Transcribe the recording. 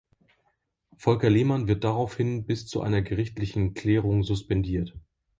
Volker Lehmann wird daraufhin bis zu einer gerichtlichen Klärung suspendiert.